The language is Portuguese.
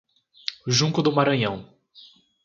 Junco do Maranhão